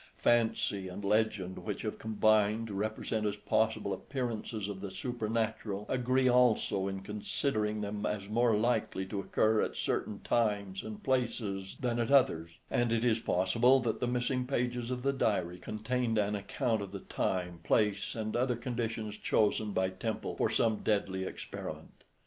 Fancy and legend, which have combined to represent as possible appearances of the supernatural, agree also in considering them as more likely to occur at certain times and places than at others; and it is possible that the missing pages of the diary contained an account of the time, place, and other conditions chosen by Temple for some deadly experiment.